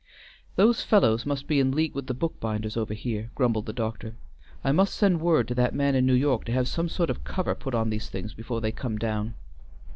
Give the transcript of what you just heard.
"Those fellows must be in league with the book binders over here," grumbled the doctor. "I must send word to that man in New York to have some sort of cover put on these things before they come down."